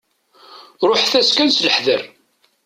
Ruḥet-as kan s leḥder.